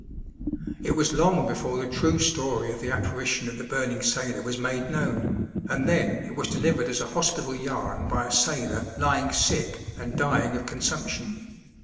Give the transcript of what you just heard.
It was long before the true story of the apparition of the burning sailor was made known, and then it was delivered as a hospital yarn by a sailor lying sick and dying of consumption.